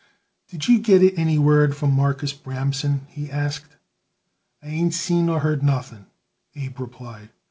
"Did you get it any word from Marcus Bramson?" he asked. "I ain't seen nor heard nothing," Abe replied.